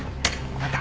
また。